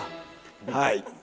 はい。